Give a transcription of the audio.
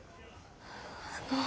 あの。